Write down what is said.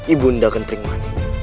ibu ndakan tringman